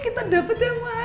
kita dapet yang mana ya